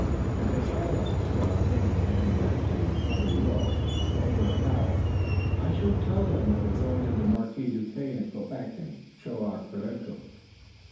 "If they hail us," said Robert, "and demand, as they probably will, what we're about, I shall tell them that we're going to the Marquis Duquesne at Quebec and show our credentials."